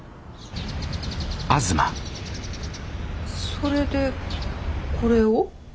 それでこれを？